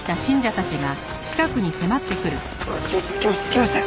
来ました！